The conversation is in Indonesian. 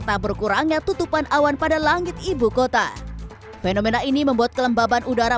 tak berkurangnya tutupan awan pada langit ibu kota fenomena ini membuat kelembaban udara